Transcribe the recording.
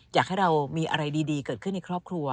อยากให้เรามีอะไรดีเกิดขึ้นในครอบครัว